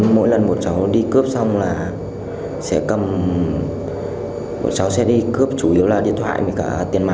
mỗi lần bọn cháu đi cướp xong là sẽ cầm bọn cháu sẽ đi cướp chủ yếu là điện thoại và tiền mặt ạ